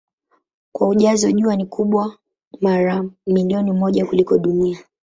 Kwa ujazo Jua ni kubwa mara milioni moja kuliko Dunia.